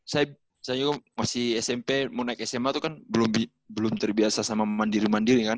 saya juga masih smp mau naik sma itu kan belum terbiasa sama mandiri mandiri kan